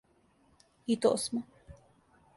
И то смо.